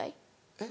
えっ？